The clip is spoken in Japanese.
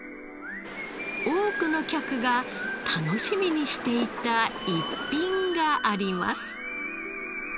多くの客が楽しみにしていた逸品があります。